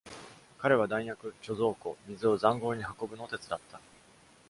彼は弾薬、貯蔵庫、水を塹壕に運ぶのを手伝った。